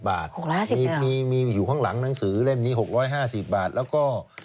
มีอยู่ข้างหลังหนังสือเล่มนี้๖๕๐บาทแล้วก็